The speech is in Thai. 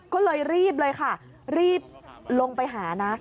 ก็เลยรีบเลยค่ะรีบลงไปหานะ